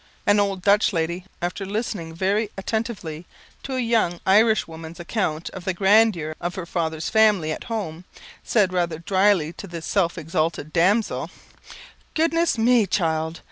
An old Dutch lady, after listening very attentively to a young Irishwoman's account of the grandeur of her father's family at home, said rather drily to the self exalted damsel, "Goodness me, child!